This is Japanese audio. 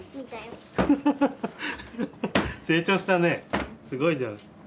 成長したねすごいじゃん。